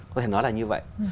có thể nói là như vậy